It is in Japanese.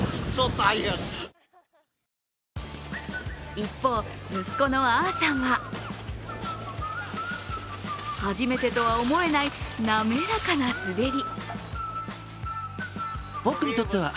一方、息子のアーさんは初めてとは思えない滑らかな滑り。